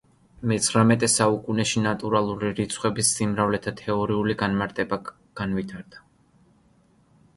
მეცხრამეტე საუკუნეში ნატურალური რიცხვების სიმრავლეთა თეორიული განმარტება განვითარდა.